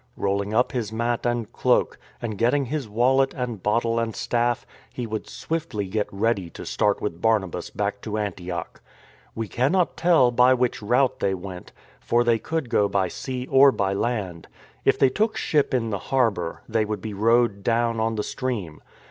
Rolling up his mat and cloak, and getting his wallet and bottle and staff, he would swiftly get ready to start with Barnabas back to Antioch. We cannot tell by which route they went, for they could go by sea or by land. If they took ship in the harbour, they would be rowed down on the stream.